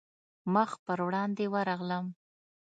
مخ پر وړاندې ورغلم.